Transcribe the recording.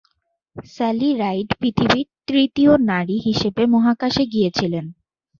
Sally Ride পৃথিবীর তৃতীয় নারী হিসেবে মহাকাশে গিয়েছিলেন।